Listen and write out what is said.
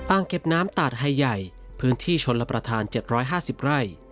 เก็บน้ำตาดไฮใหญ่พื้นที่ชนรับประทาน๗๕๐ไร่